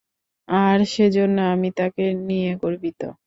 আর সেজন্য আমি তাকে নিয়ে গর্বিত।